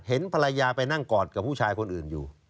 เห็นภรรยาไปนั่งกอดกับผู้ชายคนอื่นอยู่